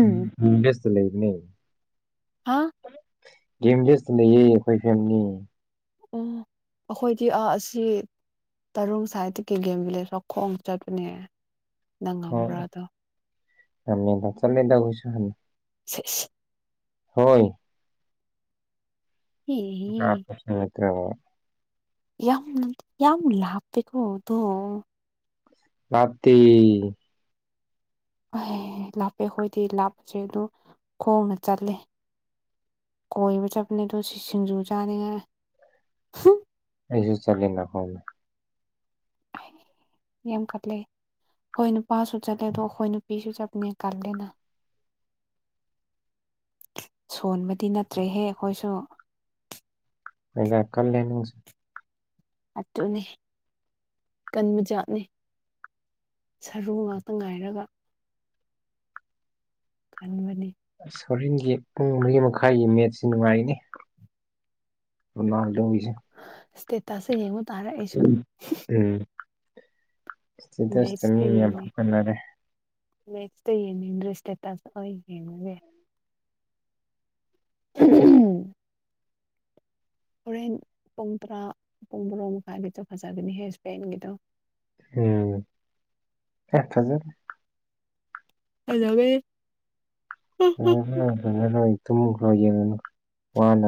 ꯎꯝ ꯁ ꯍꯥ ꯂꯩ ꯁ ꯂꯩꯌꯦ ꯑꯩꯈꯣꯏ ꯐꯦꯅꯤ ꯑꯣ ꯑꯩꯈꯣꯏꯗꯤ ꯑꯥ ꯑꯁꯤ ꯇꯔꯨ ꯁꯥꯏꯠꯇ ꯀꯒꯦꯝ ꯚꯤꯂꯦꯖ ꯋꯥꯈꯣꯡ ꯆꯠꯄꯅꯦ ꯅꯪ ꯉꯝꯕ꯭ꯔꯥꯗꯣ ꯑꯃꯦ ꯆꯂꯗꯧꯕꯣꯏꯁꯨ ꯁꯤꯁ ꯍꯣꯏ ꯑ ꯄꯁꯅ ꯌꯥ ꯅ ꯌꯥ ꯂꯥꯕꯕꯣ ꯍꯗꯣ ꯔꯠꯇ ꯑ ꯂꯥꯞꯄꯦ ꯑꯩꯈꯣꯏꯗꯤ ꯂꯥꯞꯄꯁꯦ ꯑꯗꯨ ꯈꯣꯡꯅ ꯆꯠꯂꯦ ꯀꯣꯏꯕ ꯆꯠꯄꯅꯦ ꯇ ꯁꯤꯡꯖꯨ ꯆꯥꯅꯤꯉ ꯑꯩꯁꯨ ꯆꯠꯂꯦꯅꯈꯣꯡ ꯌꯥꯝ ꯀꯠꯂꯦ ꯑꯩꯈꯣꯏ ꯅꯨꯄꯥꯁꯨ ꯆꯠꯂꯦ ꯑꯗꯣ ꯑꯩꯈꯣꯏ ꯅꯨꯄꯤꯁꯨ ꯆꯠꯄꯅꯦ ꯀꯜꯂꯦꯅ ꯁꯣꯟꯕꯗꯤ ꯅꯠꯇ꯭ꯔꯦꯍꯦ ꯑꯩꯈꯣꯏꯁꯨ ꯃꯒ ꯀꯜ ꯂꯅꯤꯡꯁꯦ ꯑꯗꯨꯅꯤ ꯀꯟꯕ ꯖꯥꯠꯅꯤ ꯁꯔꯨ ꯉꯥꯛꯇ ꯉꯥꯏꯔꯒ ꯀꯟꯕꯅꯤ ꯁꯣꯔꯤꯟꯒꯤ ꯄꯨꯡ ꯃꯔꯤꯔꯤ ꯃꯈꯥꯏꯒꯤ ꯃꯦꯠꯁꯤ ꯅꯨꯡꯉꯥꯏꯒꯅꯤ ꯔꯣꯅꯥꯜꯗꯣꯒꯤꯁꯨ ꯏꯁꯇꯦꯇꯥꯁꯦ ꯌꯦꯡꯉꯨ ꯇꯥꯔꯛ ꯑꯩꯁꯨ ꯏꯁꯇꯤꯇꯁꯇ ꯃꯤ ꯌꯥꯝ ꯐ ꯀꯟꯅꯔꯦ ꯃꯦꯁꯇ ꯌꯦ ꯏꯟꯇ꯭ꯔꯦꯁ ꯌꯦꯒꯦ ꯎꯝ ꯍꯣꯔꯦꯟ ꯄꯨꯡ ꯇꯔꯥ ꯄꯨꯡ ꯃꯣꯔꯣ ꯃꯈꯥꯏꯒꯤꯗ ꯐꯖꯒꯅꯤ ꯍꯦꯁꯄꯦꯟꯒꯤꯗꯣ ꯎꯝ ꯑꯦ ꯍꯖꯔ ꯑꯗꯕꯦ ꯑ ꯍ ꯇꯦ ꯅꯅ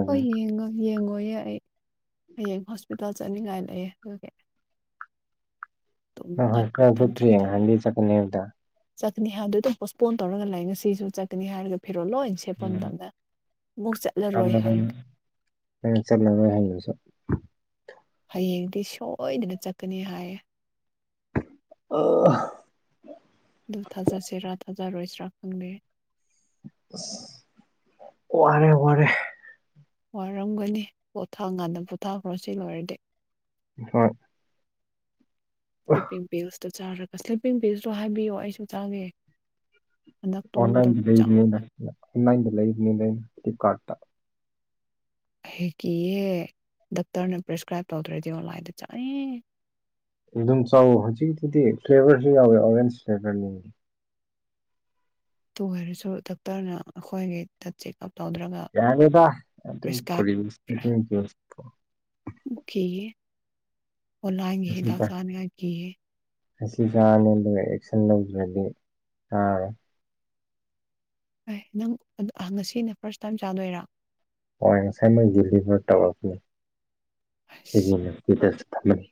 ꯍꯣꯏ ꯌꯦꯡꯉꯣ ꯌꯦꯡꯉꯣ ꯍꯌꯦ ꯑꯩ ꯍꯌꯦꯡ ꯍꯣꯁꯄꯤꯇꯥꯜ ꯆꯠꯅꯤꯡꯉꯥꯏ ꯂꯩꯑꯦ ꯑꯗꯨꯒꯤ ꯍ ꯇꯨꯝꯒꯅꯤ ꯀ ꯄꯨꯇ꯭ꯔꯤ ꯇꯨꯝꯗ꯭ꯔꯗꯤ ꯍꯗꯤ ꯆꯀꯅꯗ ꯆꯠꯀꯅꯤ ꯍꯥꯏꯕꯗꯣ ꯑꯗꯨꯝ ꯄꯣꯁꯄꯣꯟ ꯇꯧꯔꯒ ꯂꯥꯛ ꯉꯁꯤꯁꯨ ꯆꯠꯀꯅꯤ ꯍꯥꯏꯔꯒ ꯐꯦꯔꯣꯜ ꯂꯣꯏ ꯁꯦꯠꯄ ꯎꯝ ꯃꯇꯝꯗ ꯑꯃꯨꯛ ꯆꯠꯂꯔꯣꯏ ꯆꯠꯂꯕꯅꯤ ꯍꯥꯏꯔꯒꯦ ꯅꯪ ꯆꯠꯂꯉꯣꯏ ꯍꯌꯦꯉꯡꯁꯨ ꯍꯌꯦꯡꯗꯤ ꯁꯣꯏꯗꯅ ꯆꯠꯀꯅꯤ ꯍꯥꯏꯌꯦ ꯑꯣ ꯗꯨ ꯊꯖꯥ ꯁꯦ ꯔꯥ ꯊꯥꯖꯥ ꯔꯣꯏꯁ꯭ꯔꯥ ꯈꯪꯗꯦ ꯋꯥꯔꯦ ꯋꯥꯔꯦ ꯋꯥꯔꯝꯒꯅꯤ ꯄꯣꯊꯥꯀꯥꯟꯗ ꯄꯣꯊꯥꯈ꯭ꯔꯣ ꯁꯤ ꯂꯣꯏꯔꯗꯤ ꯍꯣꯏ ꯁ꯭ꯂꯤꯞꯄꯤꯡ ꯚꯜꯁꯇꯣ ꯆꯥꯔꯒ ꯁ꯭ꯂꯤꯞꯄꯤꯡ ꯚꯜꯁꯇꯣ ꯍꯥꯏꯕꯤꯌꯣ ꯑꯩꯁꯨ ꯆꯥꯒꯦ ꯍꯟꯗꯛ ꯇꯨꯝꯕꯗꯣ ꯑꯣꯟꯅꯥꯏꯗꯤ ꯆꯪ ꯂꯩꯠꯇ ꯑꯣꯟꯅꯥꯏꯟꯗꯤ ꯂꯩ ꯂꯩꯠꯇꯤ ꯀꯥꯇ ꯍꯦꯛ ꯀꯌꯦ ꯗꯥꯛꯇꯔꯅ ꯄ꯭ꯔꯦꯁꯀ꯭ꯔꯥꯏꯞ ꯇꯧꯗ꯭ꯔꯗꯤ ꯑꯣꯂꯥꯏꯗ ꯆꯠꯅꯤ ꯑꯗꯨꯝ ꯆꯥꯎ ꯍꯧꯖꯤꯛꯀꯤꯗꯤ ꯐ꯭ꯂꯦꯚꯔꯁꯨ ꯌꯥꯎꯋꯦ ꯑꯣꯔꯦꯟꯁ ꯐ꯭ꯂꯦꯚꯔꯅꯤ ꯇꯨ ꯑꯣꯏꯔꯁꯨ ꯗꯣꯛꯇꯔꯅ ꯑꯩꯈꯣꯏꯒꯤꯩꯗ ꯆꯦꯛꯑꯞ ꯇꯧꯗ꯭ꯔꯒ ꯌꯥꯦꯗ ꯄ꯭ꯔꯦꯁꯀ꯭ꯔꯥꯏꯞ ꯑꯣ ꯂꯥꯏꯑꯒꯦ ꯍꯤꯗꯁꯅꯦꯒꯒꯤ ꯑꯁꯤ ꯆꯥꯔꯅꯤ ꯑꯗꯨꯒ ꯑꯦꯛꯁꯟ ꯂꯧꯈ꯭ꯔꯗꯤ ꯇꯥꯔꯦ ꯑꯦ ꯅꯪ ꯉꯁꯤꯅ ꯐꯥꯔꯁ ꯇꯥꯏꯝ ꯆꯥꯗꯣꯏꯔꯥ ꯍ ꯉꯁꯃꯥꯏ ꯗꯚꯔ ꯑꯁ ꯇꯧꯔꯅꯤꯒꯤꯗ ꯊꯝꯃꯦ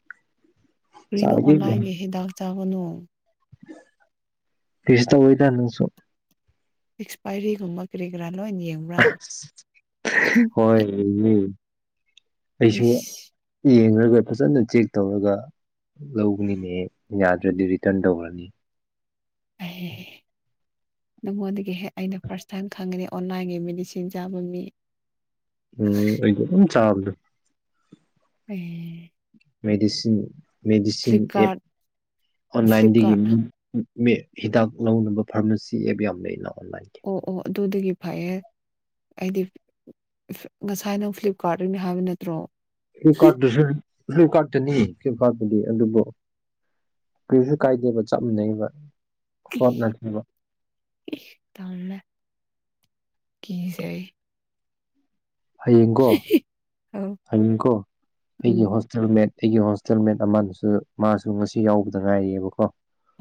ꯀꯔꯤꯅꯨ ꯑꯣꯥꯏꯒꯦ ꯍ ꯗꯥꯛ ꯆꯥꯒꯅꯨ ꯀꯁꯇ ꯑꯣꯏ ꯊꯅꯁꯨꯣ ꯑꯦꯛꯁꯄꯥꯏꯔꯤꯒꯨꯝꯕ ꯀꯔꯤ ꯀꯔꯥ ꯂꯣꯏꯅ ꯌꯦꯡꯕ꯭ꯔꯥ ꯍꯣꯏ ꯑꯩꯁꯨ ꯏꯁ ꯎꯝ ꯑꯗꯨꯒ ꯐꯖꯅ ꯆꯦꯛ ꯇꯧꯔꯒ ꯂꯧꯅꯤꯅꯦꯍ ꯌꯥꯗ꯭ꯔꯗꯤ ꯔꯤꯇꯔꯟ ꯇꯧꯈꯔꯅꯤ ꯑ ꯅꯉꯣꯟꯗꯒꯤ ꯍꯦꯛ ꯑꯩꯅ ꯐꯥꯔꯁ ꯇꯥꯏꯝ ꯈꯪꯉꯅꯤ ꯑꯣꯟꯂꯥꯏꯟꯒꯤ ꯃꯦꯗꯤꯁꯤꯟ ꯆꯥꯕ ꯃꯤ ꯎꯝ ꯑꯩꯗ ꯆꯥꯎꯗ ꯑꯩ ꯃꯦꯗꯤꯁꯤꯟ ꯃꯦꯗꯤꯁꯤꯟ ꯑꯦꯞ ꯐ꯭ꯂꯤꯞꯀꯥꯔꯠ ꯑꯣꯟꯂꯥꯏꯟꯗꯒꯤ ꯐ꯭ꯂꯤꯞꯀꯥꯔꯠ ꯃꯤ ꯍꯤꯗꯥꯛ ꯂꯧꯅꯕ ꯐꯥꯔꯃꯥꯁꯤ ꯑꯦꯞ ꯌꯥꯝ ꯂꯩꯅ ꯑꯣꯟꯂꯥꯏꯟꯒꯤ ꯑꯣ ꯑꯣ ꯑꯗꯨꯗꯒꯤ ꯐꯩꯌꯦꯦ ꯑꯩꯗꯤ ꯉꯁꯥꯏ ꯅꯪ ꯐ꯭ꯂꯤꯞꯀꯥꯔꯠꯇꯒꯤꯅꯤ ꯍꯥꯏꯕ ꯅꯠꯇ꯭ꯔꯣ ꯀꯇꯁꯨ ꯀꯔꯇꯅꯤ ꯀꯇꯅꯤ ꯑꯗꯨꯕꯨ ꯀꯩꯁꯨ ꯀꯥꯏꯗꯦꯕ ꯆꯞ ꯃꯅꯩꯕ ꯇꯃꯦ ꯀꯖꯥꯏ ꯍꯌꯦꯡꯒꯣ ꯑꯧ ꯑꯗꯨꯃꯤꯤꯡꯀꯣ ꯑꯩꯒꯤ ꯎꯝ ꯍꯣꯁꯇꯦꯜ ꯃꯗ ꯑꯩꯒꯤ ꯍꯣꯁꯇꯦꯜ ꯃꯦꯠ ꯑꯃꯅꯁꯨ ꯃꯥꯁꯨ ꯉꯁꯤ ꯌꯥꯎꯕꯗ ꯉꯥꯏꯔꯤꯑꯕꯀꯣ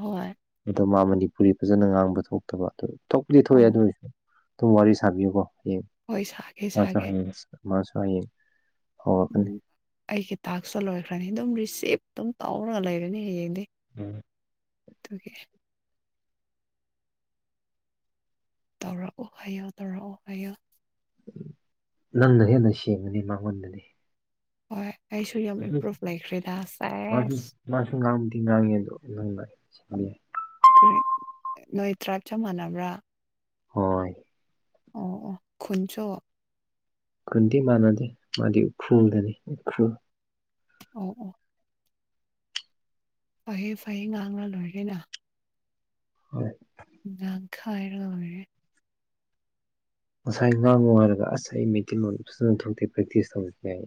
ꯍꯣꯏ ꯑꯗꯣ ꯃꯥ ꯃꯅꯤꯄꯨꯔꯤ ꯐꯖꯅ ꯉꯥꯡꯕ ꯊꯣꯛꯇꯕ ꯑꯗꯨ ꯊꯣꯛꯄꯗꯤ ꯊꯣꯛꯑꯦ ꯑꯣ ꯑꯗꯨꯒꯤꯁꯨ ꯇꯣ ꯋꯥꯔꯤ ꯋꯥꯔꯤ ꯁ ꯀꯣ ꯍꯥꯏꯌꯦ ꯍꯣꯏ ꯁꯥꯒꯦ ꯃꯥꯁꯨ ꯁꯥꯒꯦ ꯍꯥꯏ ꯃꯥꯁꯨ ꯍꯥꯏꯌꯦ ꯎꯝ ꯑꯩꯒꯤ ꯊꯥꯛꯁꯨ ꯂꯣꯏꯈ꯭ꯔꯅꯤ ꯑꯗꯨꯝ ꯔꯤꯁꯤꯞ ꯑꯗꯨꯝ ꯇꯧꯔꯒ ꯂꯩꯔꯅꯤ ꯍꯌꯦꯡꯗꯤ ꯎꯝ ꯇꯀꯦ ꯇꯧꯔꯛꯑꯣ ꯍꯥꯏꯌꯨ ꯇꯧꯔꯛꯑꯣ ꯍꯥꯏꯌꯣ ꯅꯪꯅ ꯍꯦꯟꯅ ꯁꯦꯡꯉꯅꯤ ꯃꯉꯣꯟꯗꯅꯤ ꯍꯣꯏ ꯑꯩꯁꯨ ꯌꯥꯝ ꯏꯝꯄ꯭ꯔꯨꯚ ꯂꯩꯈ꯭ꯔꯦꯗ ꯃꯥ ꯁꯦꯁ ꯃꯥꯁꯨ ꯉ ꯊ ꯉꯗ ꯁꯦ ꯅꯣꯏ ꯇ꯭ꯔꯥꯏꯞ ꯆꯞ ꯃꯥꯟꯅꯕ꯭ꯔꯥ ꯍꯣꯏ ꯑꯣ ꯑꯣ ꯈꯟꯆꯣ ꯀꯨꯗꯤ ꯃꯥꯟꯅꯗꯦ ꯃꯥꯗꯤ ꯎꯈ꯭ꯔꯨꯗꯅꯤ ꯎꯈ꯭ꯔꯨ ꯑꯣ ꯑꯣ ꯐꯍꯦ ꯐꯩꯌꯦ ꯉꯥꯡꯉ ꯂꯣꯏꯔꯦꯅ ꯍꯣꯏ ꯈꯥꯏꯅ ꯑꯣꯏꯔꯦ ꯉꯁꯥꯏ ꯉꯥꯡꯕ ꯍꯥꯏꯔꯒ ꯑꯁ ꯑꯩ ꯃꯩꯇꯩꯂꯣꯟ ꯐꯖꯅ ꯊꯣꯛꯇꯦ ꯄ꯭ꯔꯦꯛꯇꯤꯁ ꯇꯧꯕꯁꯨ ꯌꯥꯏ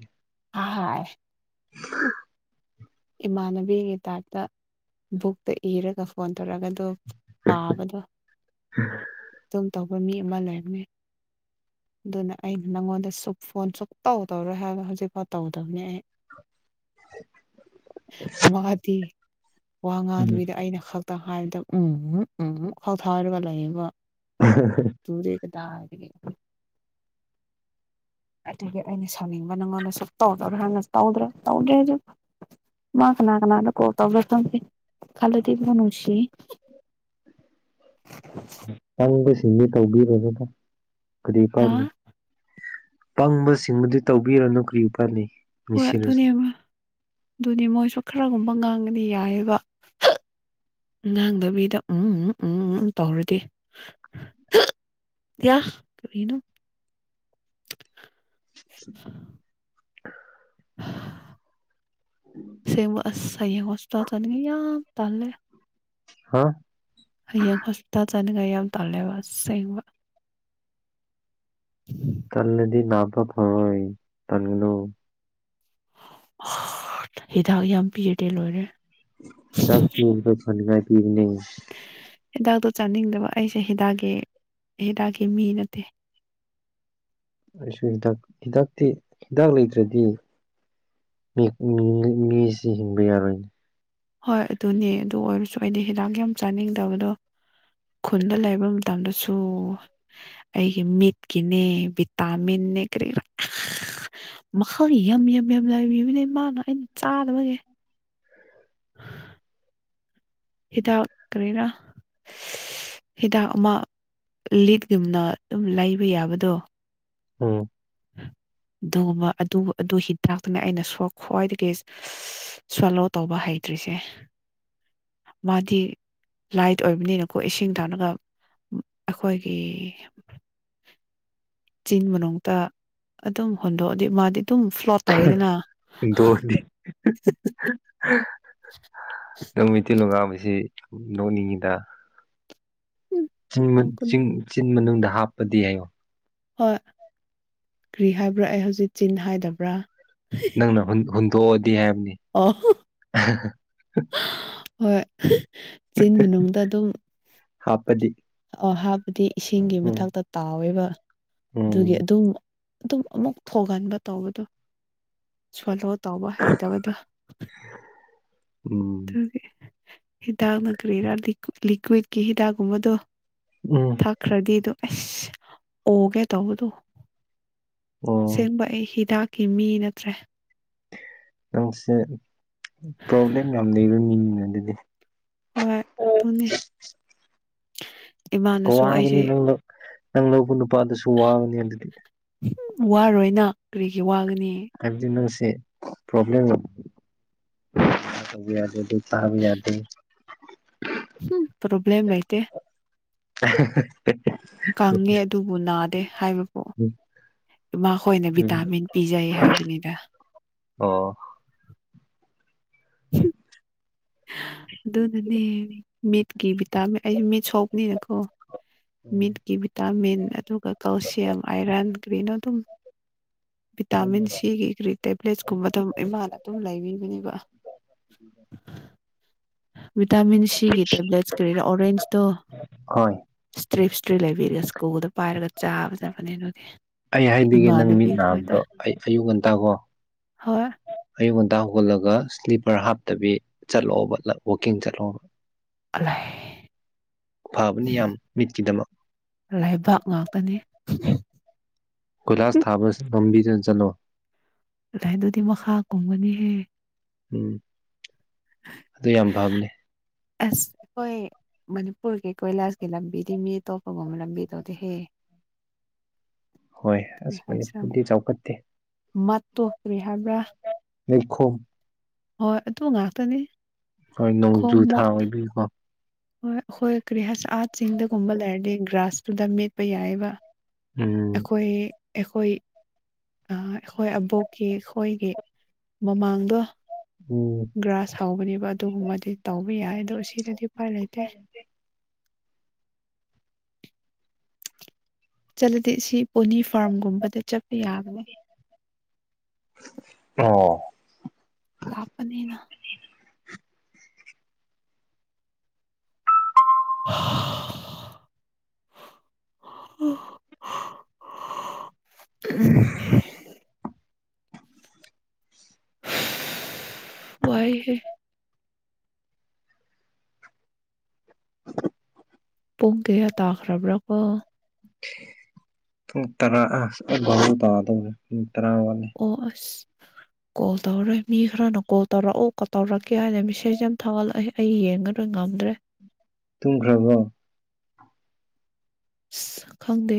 ꯍꯥꯏ ꯏꯃꯥꯟꯅꯕꯤꯒꯤ ꯇꯥꯏꯞꯇ ꯕꯨꯛꯇ ꯏꯔꯒ ꯐꯣꯟ ꯇꯧꯔꯛꯒ ꯑꯗꫭ ꯄꯥꯕꯗ ꯎꯝ [unintelligible] ꯑꯗꯨꯝ ꯇꯧꯕ ꯃꯤ ꯑꯃ ꯂꯩꯕꯅ‌ꯦ ꯑꯗꯨꯅ ꯑꯩꯅ ꯅꯪꯉꯣꯟꯗ ꯁ ꯐꯣꯟ ꯁꯨ ꯇꯧꯗꯧꯔꯦ ꯍꯥꯏꯕꯅ ꯍꯧꯖꯤꯛꯐꯥꯎ ꯇꯧꯗꯧꯅꯤ ꯑꯩ ꯃꯥꯗꯤ ꯋꯥ ꯎꯝ ꯉꯥꯡꯗꯣꯏ [unintelligible] ꯗ ꯑꯩꯅ ꯈ ꯛꯇ ꯍꯥꯏꯗ ꯎꯝ ꯎꯝꯛ ꯈꯥꯎꯊꯥꯏꯔꯒ ꯂꯩꯕ ꯇ ꯇꯒꯦ [unintelligible] ꯑꯗꯨꯒꯤ ꯑꯩꯅ ꯁꯥꯎꯅꯤꯡꯕ ꯅꯪꯉꯣꯟꯗ ꯁꯨꯡꯇꯧ ꯇꯧꯔꯛꯑꫭꯏ ꯍꯥꯏꯕꯅ‌ꯦ ꯇꯧꯗ꯭ꯔꯥ ꯇꯧꯗ꯭ꯔꯦ ꯑꯗꯨꯝ ꯃꯥ ꯀꯅꯥ ꯀꯅꯥ ꯑꯗꯨꯗ ꯀꯣꯜ ꯇꯣ ꯈꯂꯗꯤꯕ [unintelligible] ꯅꯨꯡꯁꯤ [inaudible] ꯇꯟꯕ ꯁꯤꯡꯗꯤ ꯇꯧꯕꯤꯔꯨꯅꯨ ꯀꯔꯤ ꯑ ꯀꯥꯟ ꯄꯪꯕ ꯁꯤꯡꯕꯨꯗꯤ ꯇꯧꯕꯤꯔꯨꯅꯣ ꯀꯔꯤ ꯀꯥꯟꯅꯤ ꯍꯣꯏ ꯑꯗꯨꯅꯦ ꯑꯗꯨꯅꯦ ꯃꯣꯏꯁꯨ ꯈꯔꯒꯨꯝꯕ ꯉꯥꯡꯒꯅꯤ ꯌꯥꯏꯑꯕ ꯉꯥꯡꯗꯕꯤꯗ ꯎꯝ ꯎꯝ ꯎꯝ ꯎꯝ ꯎꯝ ꯇꯧꯔꯗꯤ ꯌꯥ ꯀꯔꯤꯅ‌ꯦ ꯎ [inaudible] ꯑꯁꯦꯡꯕ ꯑꯁ ꯑꯩꯌꯦꯡ ꯀꯣꯁꯜ ꯆꯅꯤꯡꯉ ꯌꯥꯝ ꯇꯜꯂꯦ ꯍꯥꯥ ꯍꯌꯥꯡ ꯍꯁꯄꯤꯇꯥꯜ ꯄꯗꯨꯅ ꯑꯩ ꯌꯥꯝ ꯇꯥꯜꯂꯦꯕ ꯑꯁꯦꯡꯕ ꯇꯜꯂꯗꯤ ꯅꯥꯕꯐꯔꫭꯏ ꯇꯒꯅꯣ ꯍꯤꯗꯥꯛ ꯌꯥꯝ ꯄꯤꯔꯗꯤ ꯂꯣꯏꯔꯦ ꯍꯤꯗꯥꯛ ꯄꯤꯕꯗꫭ ꯐꯅꯤꯉꯥꯏ ꯄꯤꯕꯅꯦ ꯍꯤꯗꯥꯛꯇꯣ ꯆꯥꯅꯤꯡꯗꯕ ꯑꯩꯁꯦ ꯍꯤꯗꯥꯛꯀꯤ ꯍꯤꯗꯥꯛꯀꯤ ꯃꯤ ꯅꯠꯇꯦ ꯑꯩꯁꯨ ꯍꯤꯗꯥꯛ ꯍꯤꯗꯥꯛꯇꯤ ꯍꯤꯗꯥꯛ ꯂꯩꯇ꯭ꯔꯗꯤ ꯃꯤ ꯃꯤ ꯃꯤꯁꯤ ꯍꯤꯡꯕ ꯌꯥꯔꯣꯏꯅ‌ꯦ ꯍꯣꯏ ꯑꯗꯨꯅꯦ ꯑꯗꯨ ꯑꯣꯏꯔꯁꯨ ꯑꯩꯗꯤ ꯍꯤꯗꯥꯛ ꯌꯥꯝ ꯆꯥꯅꯤꯡꯗꯕꯗꯣ ꯈꯨꯟꯗ ꯂꯩꯕ ꯃꯇꯝꯗꯁꯨ ꯑꯩꯒꯤ ꯃꯤꯠꯀꯤꯅꯦ ꯚꯤꯇꯥꯃꯤꯟꯅꯦ ꯀꯔꯤꯔꯥ ꯃꯈꯜ ꯌꯥꯝ ꯌꯥꯝ ꯌꯥꯝ ꯂꯏꯕꯤꯃꯤꯅꯦ ꯃꯥꯅ ꯑꯩꯅ ꯆꯅꯥꯕꯒꯤ ꯍꯤꯗꯥꯛ ꯀꯔꯤꯔ ꯍꯤꯗꯥꯛ ꯑꯃ ꯂꯤꯠꯒꯨꯝꯅ ꯑꯗꯨꯝ ꯂꯩꯕ ꯌꯥꯕꯗꯣ ꯑꯣ ꯑꯗꯨꯒꯨꯝꯕ ꯑꯗꯨ ꯑꯗꯨ ꯍꯤꯗꯥꯛꯇꯨꯅ ꯑꯩꯅ ꯈ꯭ꯋꯥꯏꯗꯒꯤ ꯁꯣꯂꯣ ꯇꯧꯕ ꯍꯥꯏ ꯂꯩꯇ꯭ꯔꯤꯁꯦ ꯃꯥꯗꯤ ꯂꯥꯏꯠ ꯑꯣꯏꯕꯅꯤꯅꯀꯣ ꯏꯁꯤꯡ ꯊꯥꯔꯒ ꯑꯩꯈꯣꯏꯒꯤ ꯆꯤꯟ ꯃꯅꯨꯡꯗ ꯑꯗꯨꯝ ꯍꯣꯟꯗꯣꯛꯑꯗꯤ ꯃꯥꯗꯤ ꯑꯗꯨꯝ ꯐ꯭ꯂꯣꯠ ꯇꯧꯋꯤꯗꯅ ꯗꯣꯅꯤ [unintelligible] ꯅꯪ ꯃꯤꯇꯩꯂꯣꯟ ꯉꯥꯡꯕꯁꯤ ꯅꯣꯛꯅꯤꯡꯉꯤꯗ ꯎꯝ ꯅꯣꯡ ꯀꯨꯟ ꯆꯤꯡ ꯆꯤꯟ ꯃꯅꯨꯡꯗ ꯍꯥꯞꯄꯗꯤ ꯍꯥꯏꯏꯌꯣ ꯍꯣꯏ ꯀꯔꯤ ꯍꯥꯏꯕ꯭ꯔꯥ ꯑꯩ ꯍꯧꯖꯤꯛ ꯆꯤꯟ ꯍꯥꯏꯗꯕ꯭ꯔꯥ ꯅꯪꯅ ꯍꯨꯟꯗꯣꯛꯑꯗꯤ ꯍꯥꯏꯕꯅꯤ ꯑꯣ ꯍꯣꯏ ꯆꯤꯟ ꯃꯅꯨꯡꯗ ꯑꯗꯨꯝ ꯍꯥꯞꯄꯗꯤ ꯑꯣ ꯍꯥꯕꯗꯤ ꯏꯁꯤꯡꯒꯤ ꯎꯝ ꯃꯊꯛꯇ ꯇꯥꯎꯋꯦꯕ ꯑꯗꯨꯒꯤ ꯎꯝ ꯑꯗꯨꯝ ꯑꯗꯨꯝ ꯑꯃꯨꯛ ꯊ ꯊꯣꯛꯒꯟꯕ ꯇꯧꯕꯗꯣ ꯁꯣꯂꯣꯠ [unintelligible] ꯇꯧꯕ ꯍꯩꯇꯕꯗꫭ ꯔꯟ [unintelligible] ꯍꯤꯗꯥꯛꯅ ꯀꯔꯤꯔꯥ ꯂꯤꯀ꯭ꯋꯤꯠꯀꯤ ꯍꯤꯗꯥꯛꯀꯨꯝꯕꯗꯣ ꯎꯝ ꯊꯥꯛꯈ꯭ꯔꯗꯤꯗꯣ ꯑꯁ ꯑꯣꯒꯦ ꯇꯧꯕꯗꯣ ꯑꯣ ꯁꯦꯡꯕ ꯑꯩ ꯍꯤꯗꯥꯛ ꯀꯤ ꯃꯤ ꯅꯠꯇ꯭ꯔꯦ ꯅꯪꯁꯦ ꯄ꯭ꯔꯣꯕ꯭ꯂꯦꯝ ꯌꯥꯝ ꯂꯩꯕ ꯃꯤꯅꯤꯅ ꯑꯗꯨꯗꯤ ꯍꯣꯏ ꯑꯗꯨꯅꯤ ꯋꯥꯕꯅꯤ ꯅ ꯅꯪ ꯂꯧꯕ ꯅꯨꯄꯥꯗꯨꯁꯨ ꯋꯥꯕꯅꯤ ꯑꯗꯨꯗꯤ ꯋꯥꯔꯣꯏꯅ ꯀꯔꯤꯒꯤ ꯋꯥꯒꯅꯤ ꯍꯥꯏꯕꯗꯤ ꯅꯪꯁꯦ ꯄ꯭ꯔꯣꯕ꯭ꯂꯦꯝ ꯌꯥꯗꯦ ꯑꯗꯨꯇꯍꯕꯤ ꯌꯥꯗꯦ ꯝ ꯄ꯭ꯔꯣꯕꯂꯦꯝ ꯂꯩꯇ [inaudible] ꯀꯪꯉꯦ ꯑꯗꯨꯕꯨ ꯅꯥꯗꯦ ꯍꯥꯏꯕ ꯄꯣꯛ ꯃꯈꯣꯏꯅ ꯎꯝ ꯚꯤꯇꯥꯃꯤꯟ ꯄꯤꯖꯩ ꯍꯥꯏꯕꯅꯤꯗ ꯑꯣ ꯑꯗꯨꯣ ꯅꯅꯦ ꯃꯤꯠꯀꯤ ꯚꯤꯇꯥꯃꯤꯟ ꯑꯩꯁꯨ ꯃꯤꯠ ꯁꯣꯛꯅꯤꯅꯀꯣ ꯃꯤꯠꯀꯤ ꯚꯤꯇꯥꯃꯤꯟ ꯑꯗꯨꯒ ꯀꯜꯁꯤꯌꯝ ꯑꯥꯏꯔꯟ ꯒ꯭ꯔꯤꯟ ꯑꯗꯨꯝ ꯚꯤꯇꯥꯃꯤꯟ ꯍꯣꯏ ꯁꯤꯒꯤ ꯒ꯭ꯔꯤ ꯇꯦꯕ꯭ꯂꯦꯠꯁꯀꯨꯝꯕ ꯑꯗꯨꯝ ꯏꯃꯥꯅ ꯑꯗꯨꯝ ꯂꯩꯕꯤꯕꯅꯦꯕ [inaudible] ꯚꯤꯇꯥꯃꯤꯟ ꯁꯤꯒꯤ ꯇꯦꯕ꯭ꯂꯦꯠꯁ ꯀꯔꯤꯔꯥ ꯑꯣꯔꯦꯟꯖꯇꯣ ꯏꯁꯇ꯭ꯔꯤꯞꯁꯇ꯭ꯔꯤꯞ ꯂꯩꯕꯤꯔꯒ ꯁ꯭ꯀꯨꯜꯗ ꯄꯥꯏꯔꯒ ꯆꯥꯕ ꯆꯠꯄꯅꯦ ꯑꯗꯨꯒꯤ ꯑꯩ ꯍꯥꯏꯗꯤꯒꯦ ꯅꯪ ꯃꯤꯠ ꯅꯥꯕꯗꯣ ꯑꯩ ꯑꯌꯨꯛ ꯉꯟꯇꯥꯀꯣ ꯍꯣꯏ ꯑꯌꯨꯛ ꯉ ꯍꯗꯥꯒꯜꯂꯒ ꯏꯁ꯭ꯂꯤꯄꯔ ꯍꯥꯞꯇꯕꯤ ꯆꯠꯂꯣꯕ ꯋꯀꯤꯡ ꯆꯠꯂꯣꯕ ꯑꯦ ꯐꯥꯕꯅꯤ ꯌꯥꯝ ꯃꯤꯠꯀꯤꯗꯃꯛ ꯂꯩꯕꯥꯛ ꯉꯥꯛꯇꯅꯤ ꯀꯒꯣꯏꯂꯥꯁ ꯊꯥꯕ ꯂꯝꯝꯕꯤꯗꯨꯅ ꯆꯠꯂꯣ ꯑꯗꯨꯥꯏ ꯑꯗꯨꯗꯤ ꯃꯈꯥ ꯀꯨꯝꯒꯅꯤꯍꯦ ꯎꯝ ꯑꯗꯨ ꯌꯥꯝ ꯐꯥꯕꯅꯦ ꯑꯁ ꯑꯩꯈꯣꯏ ꯃꯅꯤꯄꯨꯔꯒꯤ ꯀꯣꯏꯂꯥꯁꯀꯤ ꯂꯝꯕꯤꯗꯤ ꯃꯤ ꯑꯇꯣꯞꯄꯒꯨꯝꯕ ꯂꯝꯕꯤ ꯇꯧꯗꯤꯍꯦ [unintelligible] ꯍꯣꯏ ꯀꯔꯤ ꯑꯁ ꯍꯥꯏꯁ ꯃꯅꯤꯄꯨꯔꯗꯤ ꯆꯥꯎꯈꯠꯇꯦ ꯃꯣ ꯀꯔꯤ ꯍꯥꯏꯕ꯭ꯔꯥ ꯂꯈꯣ ꯍꯣꯏ ꯑꯗꯨ ꯉꯥꯛꯇꯅꯤ ꯍꯣꯏ ꯅꯣꯡꯖꯨ ꯈꯣꯡ ꯊꯥ ꯃꯣꯠ ꯑꯣꯏꯗꯣꯏꯏꯀꯣ ꯍꯣꯏ ꯍꯈꯣꯏ ꯀꯔꯤꯍꯁ ꯑꯥꯔꯠꯁꯤꯡꯤꯡꯗꯒꯨꯝꯕ ꯂꯩꯔꯗꯤ ꯒ꯭ꯔꯥꯁꯇꯨꯗ ꯃꯦꯠꯄ ꯌꯥꯏꯑꯕ ꯎꯝ ꯑꯩꯈꯣꯏ ꯑꯩꯈꯣꯏ ꯑꯩꯈꯣꯏ ꯑꯕꯣꯛꯀꯤ ꯑꯩꯈꯣꯏꯒꯤ ꯃꯃꯥꯡꯗ ꯎꯝ ꯒ꯭ꯔꯥꯁ ꯍꯧꯕꯅꯦꯕ ꯑꯗꯨꯒꯨꯝꯕꯗꯤ ꯇꯧꯕ ꯌꯥꯏ ꯑꯗꯣ ꯁꯤꯗꯗꯤ ꯎꯄꯥꯏ ꯂꯩꯇꯦ [unintelligible] ꯆꯠꯂꯗꯤ ꯁꯤ ꯄꯣꯅꯤ ꯐꯥꯔꯝꯒꯨꯝꯕꯗ ꯆꯠꯄ ꯌꯥꯕꯅꯤ ꯑꯣ ꯂꯄꯅꯦꯅ ꯎꯝ ꯎ ꯋꯥꯏ ꯍ [unintelligible] ꯄꯨꯣꯛꯒꯦ ꯑ ꯇꯈ꯭ꯔꯕ꯭ꯔꯔꯕꯣ ꯇꯔꯥꯗ ꯑꯣꯁ ꯀꯣꯜ ꯇꯧꯔꯣꯏ ꯃꯤ ꯈꯔꯅ ꯀꯣꯜ ꯇꯧꯔꯛꯑꯣ ꯇꯧꯔꯛꯀꯦ ꯍꯥꯏꯅ ꯃꯦꯁꯦꯖ ꯌꯥꯝ ꯊꯥꯒꯠꯂꯛꯑꯦ ꯑꯩ ꯌꯦꯡꯉꯔꯣꯏ ꯉꯝꯃ ꯅ ꯇꯨꯝꯈ꯭ꯔꯕꯣ ꯈꯪꯗꯦ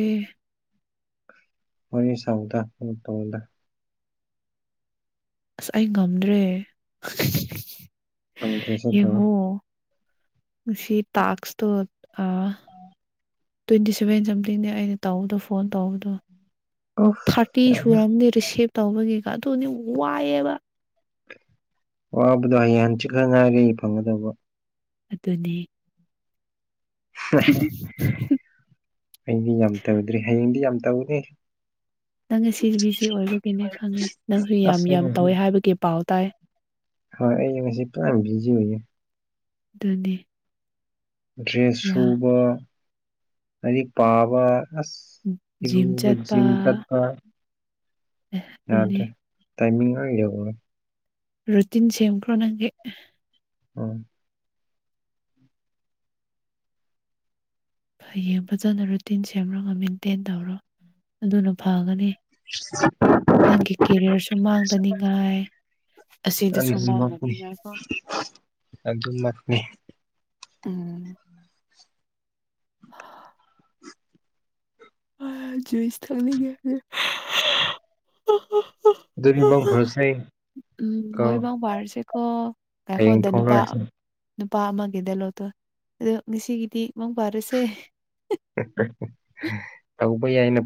ꯃꯅꯤ ꯆꯥꯎꯗ ꯇ ꯑꯁ ꯑꯩ ꯉꯝꯗ꯭ꯔꯦ ꯅ꯭ꯔꯦꯁꯠꯇ ꯁꯤ ꯇꯥꯛꯁꯇ ꯑ ꯇ꯭ꯋꯦꯟꯇꯤ ꯁꯚꯦꯟ ꯁꯝꯊꯤꯡꯅꯦ ꯑꯩꯅ ꯇꯧꯕꯗꯣ ꯐꯣꯟ ꯇꯧꯕꯗꯣ ꯑꯣꯐ ꯊꯥꯔꯇꯤ ꯌꯥꯝ ꯁꯨꯨꯔꯝꯅꯤ ꯔꯤꯁꯤꯞ ꯇꯧꯕꯒꯤꯒ ꯑꯗꯨꯅꯤ ꯋꯥꯏꯑꯦꯕ ꯋꯥꯕꯗꯣ ꯍꯌꯦꯡ ꯍꯪꯆꯤꯛꯈ ꯉꯥꯏꯔꯦ ꯑꯩ ꯐꯪꯒꯗꯧꯕ ꯑꯗꯨꯅꯤ ꯍꯌꯦꯡꯗꯤ ꯌꯥꯝ ꯇꯧꯗ꯭ꯔꯔꯤ ꯍꯌꯦꯡꯗꯤ ꯌꯥꯝ ꯇꯅꯦ ꯅꯪꯅ ꯁꯤ ꯕꯤꯖꯤ ꯑꯣꯏꯕꯒꯤꯅꯦ ꯈꯪꯉꯦ ꯅꯪꯁꯨ ꯌꯥꯝ ꯑꯁ ꯑꯩ ꯌꯥꯝ ꯉꯁꯤ ꯇꯧꯋꯦ ꯍꯥꯏꯕꯒꯤ ꯄꯥꯎ ꯇꯥꯏ ꯍꯣꯏ ꯑꯩ ꯉꯁꯤ ꯄꯨ ꯌꯥꯝ ꯕꯤꯖꯤ ꯑꯣꯏꯌꯦ ꯑꯗꯨꯅꯤ ꯗ꯭ꯔꯦꯁ ꯌꯥꯝ ꯁꯨꯕ ꯑꯗꯤ ꯄꯥꯕ ꯑꯁ ꯖꯤꯝ ꯏꯤꯔꯨꯕ ꯆꯠꯄ ꯖꯤꯝ ꯆꯠꯄ ꯑꯗꯨꯅꯤ ꯌꯥꯗ꯭ꯔꯦ ꯇꯥꯏꯃꯤꯡ ꯏꯒꯅꯣ ꯔꯨꯇꯤꯟ ꯁꯦꯝꯝꯈ꯭ꯔꯣ ꯅꯪꯒꯤ ꯎꯝ ꯐꯩꯌꯦꯡ ꯐꯖꯅ ꯔꯨꯇꯤꯟ ꯁꯦꯝꯔꯒ ꯃꯦꯟꯇꯦꯟ ꯇꯧꯔꯣ ꯑꯗꯨꯅ ꯐꯒꯅꯤ ꯅꯪꯒꯤ ꯀꯦꯔꯤꯌꯔꯁꯨ ꯃꯥꯡꯗꯅꯤꯉꯥꯏ ꯑꯁꯤꯗꯁꯨ ꯑꯗꯨꯅꯤ ꯃꯥꯡꯗꯅꯤꯉꯥꯏꯀꯣ ꯑꯗꯨꯝ ꯃꯅꯤ ꯎꯝ ꯑꯥ ꯑꯖꯨꯣꯏꯁ ꯊꯅꯤ ꯀꯦꯗ ꯎ ꯍꯣ ꯑꯗꯨꯗꯤ ꯃꯪ ꯐꯔꯁꯦ ꯎꯝ ꯀꯣ ꯍꯣꯏ ꯏꯃ ꯋꯥꯔꯁꯀꯣ ꯑꯩꯈꯣ ꯍꯌꯦꯡ ꯗꯅꯨꯄꯥ ꯐꯥꯎꯅꯔꯁꯤ ꯅꯨꯄꯥ ꯑꯃꯒꯤꯗ ꯂꯣꯠꯇꯣ ꯑꯗꯣ ꯉꯁꯤꯒꯤꯗꯤ ꯏꯃꯨꯡ ꯄꯥꯔꯁꯦ ꯇꯧꯕ ꯌꯥꯏꯅ